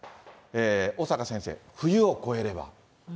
小坂先生、冬を越えれば。